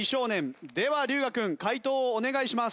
では龍我君解答をお願いします。